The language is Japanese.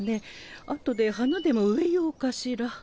後で花でも植えようかしら。